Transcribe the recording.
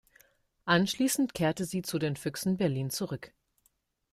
Anschließend kehrte sie zu den Füchsen Berlin zurück.